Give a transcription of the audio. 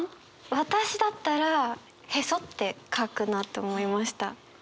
私だったら臍って書くなって思いました。